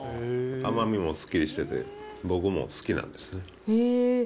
甘みもすっきりしてて、僕も好きなんですよね。